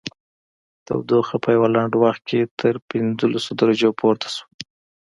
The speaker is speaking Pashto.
تودوخه په یوه لنډ وخت کې تر پنځلس درجو پورته شوه